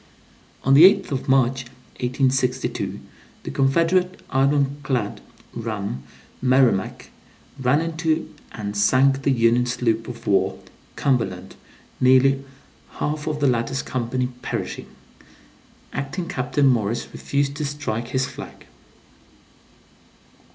(On the 8th of March, 1862, the Confederate iron clad ram, Merrimac, ran into and sank the Union sloop of war, Cumberland, nearly all of the latter's company perishing. Acting captain Morris refused to strike his flag.)